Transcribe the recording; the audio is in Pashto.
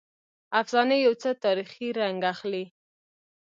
افسانې یو څه تاریخي رنګ اخلي.